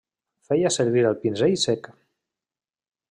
Feia servir el pinzell sec.